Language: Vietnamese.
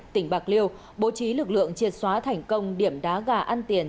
tỉnh bạc liêu bố trí lực lượng triệt xóa thành công điểm đá gà ăn tiền